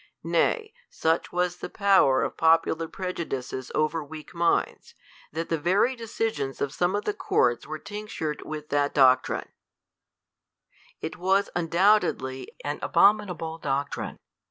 Nay, such was the power of popular prejudices over weak minds, that the very decisions of some of tb^ courts were tinc tured with that doctrine. It i THE COLUMBIAN ORATOR. 97 It was undoubtedly an abominable doctrine.